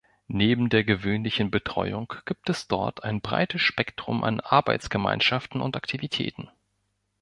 Neben der gewöhnlichen Betreuung gibt es dort ein breites Spektrum an Arbeitsgemeinschaften und Aktivitäten.